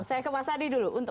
saya ke mas adi dulu